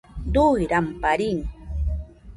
Dui ramparín